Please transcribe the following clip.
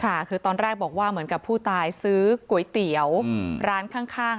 ค่ะคือตอนแรกบอกว่าเหมือนกับผู้ตายซื้อก๋วยเตี๋ยวร้านข้าง